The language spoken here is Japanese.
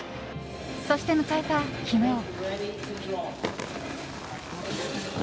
そして迎えた昨日。